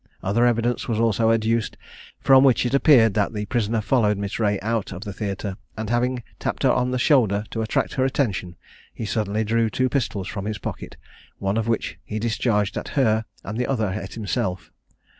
Other evidence was also adduced, from which it appeared that the prisoner followed Miss Reay out of the theatre, and having tapped her on the shoulder to attract her attention, he suddenly drew two pistols from his pocket, one of which he discharged at her and the other at himself.